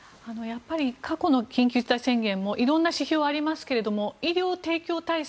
過去の緊急事態宣言もいろんな指標がありますが医療提供体制